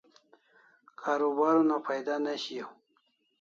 Karubar una phaida ne shiau